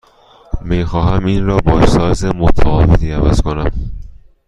می خواهم این را با سایز متفاوتی عوض کنم.